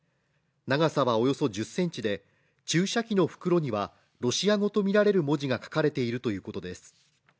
長さはおよそ１０ｃｍで注射器の袋にはロシア語とみられる文字が書かれているということです。